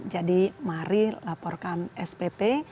jadi mari laporkan spt